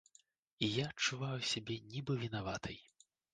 І я адчуваю сябе нібы вінаватай.